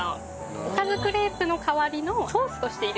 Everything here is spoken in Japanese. おかずクレープの代わりのソースとして入れたりとか。